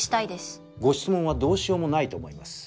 ご質問はどうしようもないと思います。